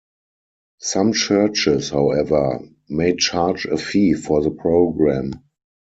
Some churches, however, may charge a fee for the program.